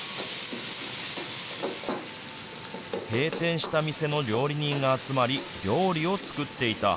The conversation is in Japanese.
閉店した店の料理人が集まり、料理を作っていた。